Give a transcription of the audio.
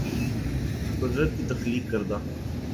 قدرت کی تخلیق کردہ